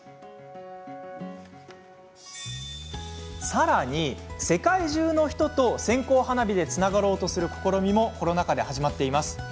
さらに、世界中の人と線香花火でつながろうとする試みもコロナ禍で始まっています。